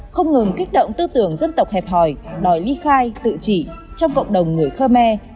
không ngừng kích động tư tưởng dân tộc hẹp hòi đòi ly khai tự chỉ trong cộng đồng người khô nê